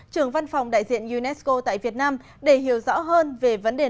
trưởng văn phòng đại diện unesco tại việt nam để hiểu rõ hơn về vấn đề này